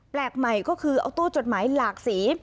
ใหม่ก็คือเอาตู้จดหมายหลากสี